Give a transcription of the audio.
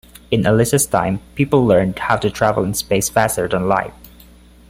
In Alisa's time people learned how to travel in space faster than light.